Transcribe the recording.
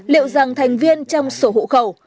liệu rằng thành viên trong sổ hộ khẩu